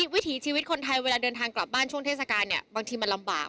วิถีชีวิตคนไทยเวลาเดินทางกลับบ้านช่วงเทศกาลเนี่ยบางทีมันลำบาก